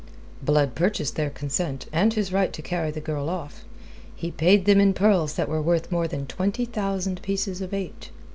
"Blood purchased their consent, and his right to carry the girl off. He paid them in pearls that were worth more than twenty thousand pieces of eight."